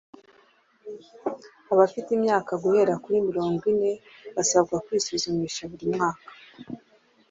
Abafite imyaka guhera kuri mirongo ine basabwa kwisuzumisha buri mwaka